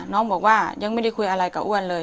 น้องบอกว่ายังไม่ได้คุยอะไรกับอ้วนเลย